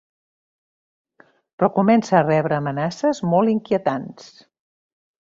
Però comença a rebre amenaces molt inquietants.